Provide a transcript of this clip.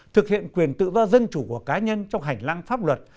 thực hiện quyền tự do dân chủ của cá nhân trong hành lang pháp luật